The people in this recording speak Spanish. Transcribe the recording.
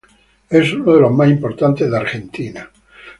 Es uno de los más importantes de Argentina.